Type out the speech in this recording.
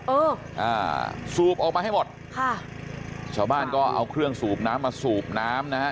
เอออ่าสูบออกมาให้หมดค่ะชาวบ้านก็เอาเครื่องสูบน้ำมาสูบน้ำนะฮะ